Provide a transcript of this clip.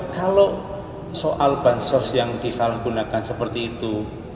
kalau soal bansos yang disalahgunakan seperti itu